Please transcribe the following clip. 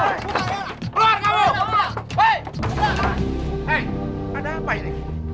hei ada apa ini